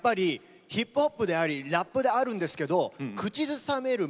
ヒップホップでありラップであるんですが口ずさめる